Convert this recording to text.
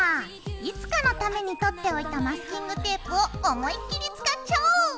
いつかのためにとっておいたマスキングテープを思いっきり使っちゃおう！